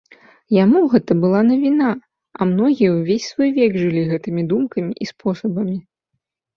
Яму гэта была навіна, а многія ўвесь свой век жылі гэтымі думкамі і спосабамі.